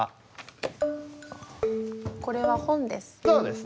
「これは本です」。